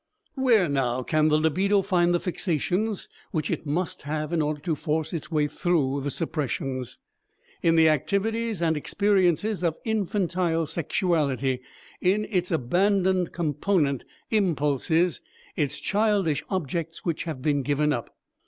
Where, now, can the libido find the fixations which it must have in order to force its way through the suppressions? In the activities and experiences of infantile sexuality, in its abandoned component impulses, its childish objects which have been given up.